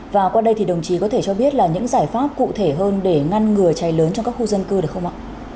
và qua đây thì đồng chí có thể cho biết là những giải pháp cụ thể hơn để ngăn ngừa cháy lớn trong các khu dân cư được không ạ